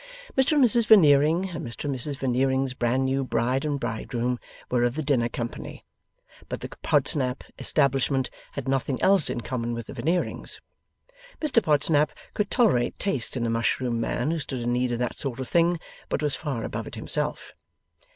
Mr and Mrs Veneering, and Mr and Mrs Veneering's bran new bride and bridegroom, were of the dinner company; but the Podsnap establishment had nothing else in common with the Veneerings. Mr Podsnap could tolerate taste in a mushroom man who stood in need of that sort of thing, but was far above it himself.